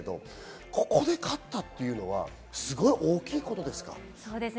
ここで勝ったのはすごい大きいことですか？